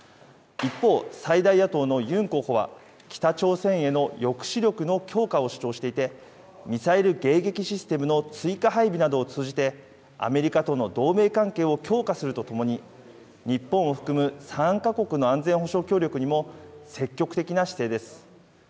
一方、最大野党のユン候補は、北朝鮮への抑止力の強化を主張していて、ミサイル迎撃システムの追加配備などを通じて、アメリカとの同盟関係を強化するとともに、日本を含む３か国の安全保障協力にも積極的な姿勢です。